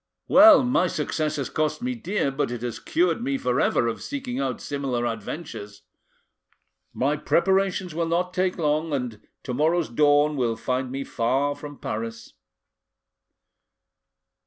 Well, my success has cost me dear, but it has cured me for ever of seeking out similar adventures. My preparations will not take long, and to morrow's dawn will find me far from Paris."